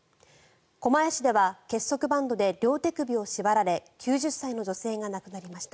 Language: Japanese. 狛江市では結束バンドで両手首を縛られ９０歳の女性が亡くなりました。